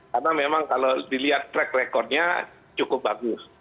karena memang kalau dilihat track record nya cukup bagus